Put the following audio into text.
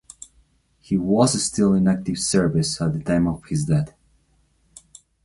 He was still in active service at the time of his death.